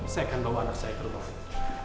saya akan bawa anak saya ke rumah sakit